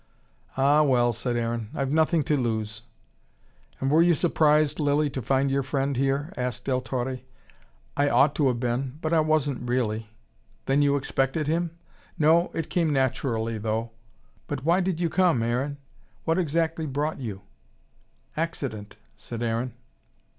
"Ah, well," said Aaron. "I've nothing to lose." "And were you surprised, Lilly, to find your friend here?" asked Del Torre. "I ought to have been. But I wasn't really." "Then you expected him?" "No. It came naturally, though. But why did you come, Aaron? What exactly brought you?" "Accident," said Aaron.